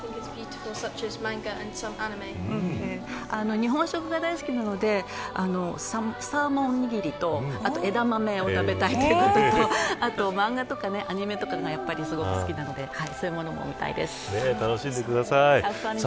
日本食が大好きなのでサーモンおにぎりと枝豆を食べたいということで漫画とかアニメとかがすごく好きなので楽しんでください。